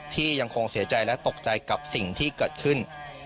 ยังคงเสียใจและตกใจกับสิ่งที่เกิดขึ้น